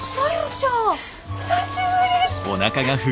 久しぶり！